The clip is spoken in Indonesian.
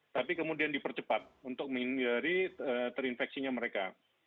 tapi kemudian dipercepat untuk menghindari terinfeksinya mereka